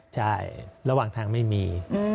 ใช่ระหว่างทางไม่มี